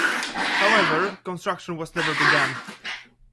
However, construction was never begun.